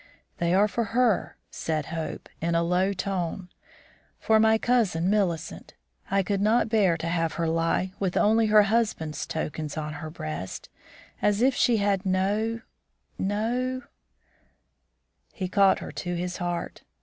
"They are for her," said Hope, in a low tone; "for my cousin Millicent. I could not bear to have her lie with only her husband's tokens on her breast, as if she had no no " He caught her to his heart.